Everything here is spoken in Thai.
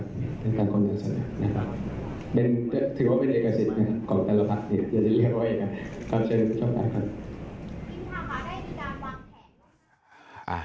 ครับเช่นช่องตามคำ